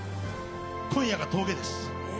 今夜が峠です。